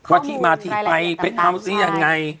ว่าที่มาที่ไปเป็นเฮาส์ที่ยังไง